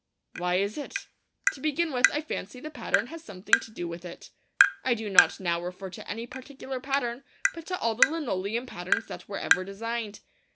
Why is it? To begin with, I fancy the pattern has something to do with it. I do not now refer to any particular pattern; but to all the linoleum patterns that were ever designed.